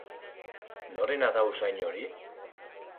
Norena da usain hori?